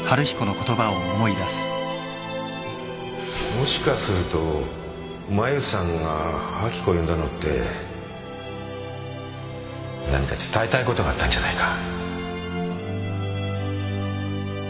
もしかするとマユさんが明子呼んだのって何か伝えたいことがあったんじゃないか？